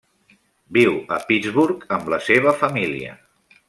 Viu a Pittsburgh amb la seva família.